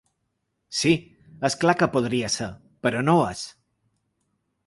Sí, és clar que podria ser… Però no és!